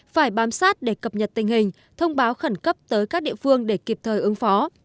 phải bám sát để cập nhật tình hình thông báo khẩn cấp tới các địa phương để kịp thời ứng phó